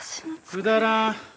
くだらん。